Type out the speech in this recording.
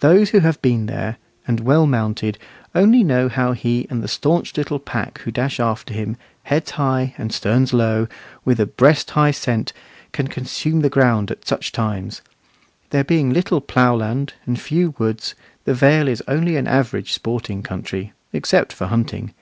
Those who have been there, and well mounted, only know how he and the stanch little pack who dash after him heads high and sterns low, with a breast high scent can consume the ground at such times. There being little ploughland, and few woods, the Vale is only an average sporting country, except for hunting.